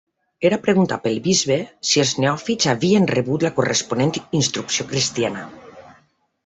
Era preguntat pel bisbe si els neòfits havien rebut la corresponent instrucció cristiana.